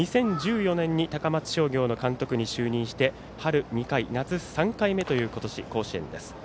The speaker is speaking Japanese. ２０１４年に高松商業の監督に就任して春２回、夏３回目という今年甲子園です。